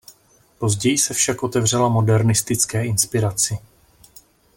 Později se však otevřela modernistické inspiraci.